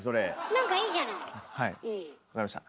何かいいじゃないうん。